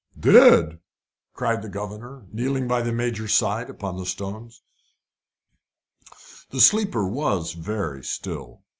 "Dead!" cried the governor, kneeling by the Major's side upon the stones. The sleeper was very still.